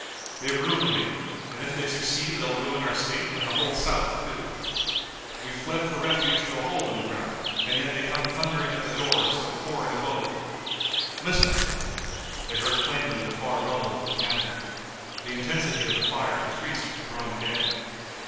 "They've ruined me, and if they succeed they'll ruin our state and the whole South, too. We've fled for refuge to a hole in the ground, and yet they come thundering at the door of so poor an abode. Listen!" They heard plainly the far rumble of the cannon. The intensity of the fire increased with the growing day.